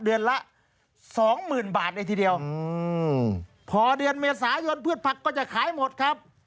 เดือนละสองหมื่นบาทเลยทีเดียวอืมพอเดือนเมษายนพืชผักก็จะขายหมดครับ